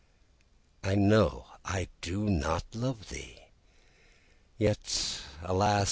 I know I do not love thee! yet, alas!